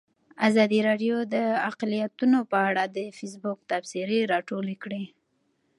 ازادي راډیو د اقلیتونه په اړه د فیسبوک تبصرې راټولې کړي.